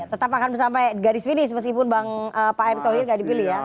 tetap akan sampai garis finish meskipun pak erick thohir tidak dipilih ya